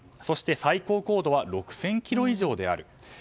そして、最高高度は６０００ｋｍ以上である。